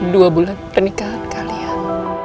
dua bulan pernikahan kalian